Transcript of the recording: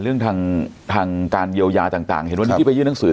เรื่องทางการเยียวยาต่างเห็นวันนี้ที่ไปยื่นหนังสือ